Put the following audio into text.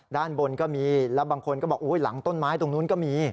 ด้านบนก็มีแล้วบางคนก็บอกหลังต้นไม้ตรงนู้นก็มี